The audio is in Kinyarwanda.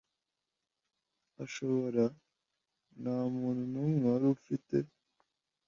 ashobobara. nta muntu n'umwe wari ufite